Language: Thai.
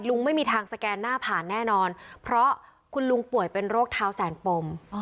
ไม่มีทางสแกนหน้าผ่านแน่นอนเพราะคุณลุงป่วยเป็นโรคเท้าแสนปม